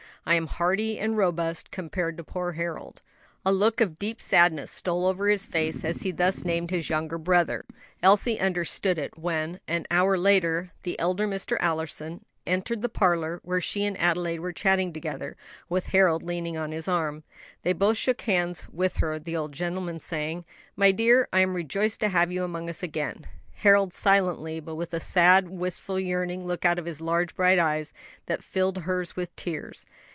I am hearty and robust compared to poor Harold." A look of deep sadness stole over his face as he thus named his younger brother. Elsie understood it when, an hour later, the elder Mr. Allison entered the parlor, where she and Adelaide were chatting together, with Harold leaning on his arm. They both shook hands with her, the old gentleman saying, "My dear, I am rejoiced to have you among us again;" Harold silently, but with a sad, wistful, yearning look out of his large bright eyes, that filled hers with tears.